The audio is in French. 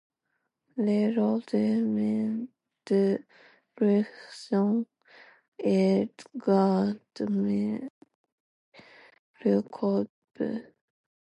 Le redoublement de l'unisson est également l'octave.